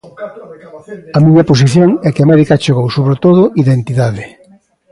A miña posición é que América achegou, sobre todo, identidade.